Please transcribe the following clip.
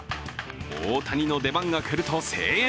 大谷の出番が来ると声援。